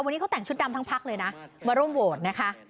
วันนี้เขาแต่งชุดดำทั้งพักเลยนะมาร่วมโหวตนะคะ